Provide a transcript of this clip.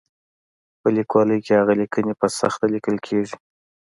په لیکوالۍ کې هغه لیکنې په سخته لیکل کېږي.